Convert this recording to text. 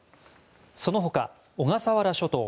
その他、小笠原諸島